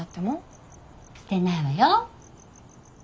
してないわよ。